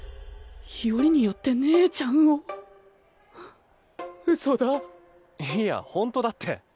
よりによって姉ちゃんをウソだ。いやホントだって。